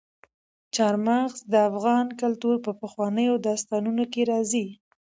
چار مغز د افغان کلتور په پخوانیو داستانونو کې راځي.